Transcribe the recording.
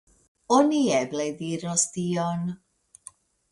Oni eble diros tion.